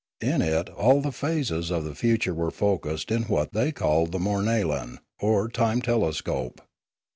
In it all the phases of the future were focussed in what they called the mornalan, or time telescope.